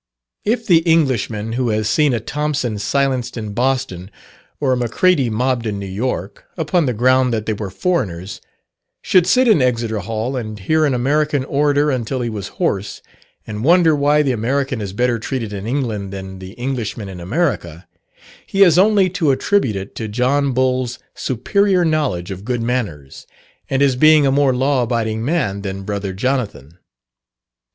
If the Englishman who has seen a Thompson silenced in Boston, or a Macready mobbed in New York, upon the ground that they were foreigners, should sit in Exeter Hall and hear an American orator until he was hoarse, and wonder why the American is better treated in England than the Englishman in America, he has only to attribute it to John Bull's superior knowledge of good manners, and his being a more law abiding man than brother Jonathan.